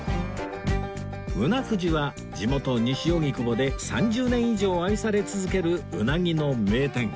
うな藤は地元西荻窪で３０年以上愛され続けるうなぎの名店